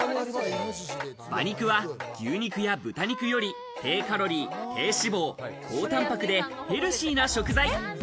馬肉は牛肉や豚肉より低カロリー、低脂肪、高タンパクで、ヘルシーな食材。